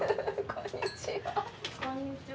こんにちは